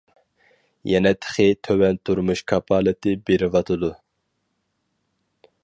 يەنە تېخى تۆۋەن تۇرمۇش كاپالىتى بېرىۋاتىدۇ.